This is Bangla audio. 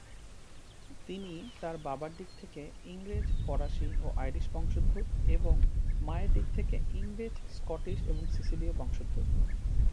তিনি তার বাবার দিক থেকে ইংরেজ, ফরাসি ও আইরিশ বংশোদ্ভূত এবং মায়ের দিক থেকে ইংরেজ, স্কটিশ এবং সিসিলীয় বংশোদ্ভূত।